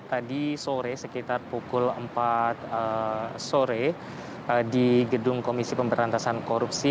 tadi sore sekitar pukul empat sore di gedung komisi pemberantasan korupsi